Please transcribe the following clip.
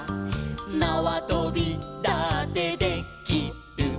「なわとびだってで・き・る」